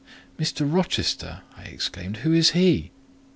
"Mr. Rochester!" I exclaimed. "Who is he?"